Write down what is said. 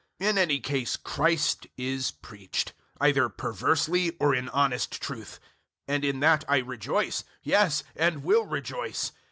In any case Christ is preached either perversely or in honest truth; and in that I rejoice, yes, and will rejoice.